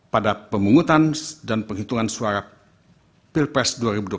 pada pemungutan dan penghitungan suara pilpres dua ribu dua puluh